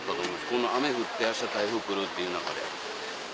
この雨降って明日台風来るっていう中で。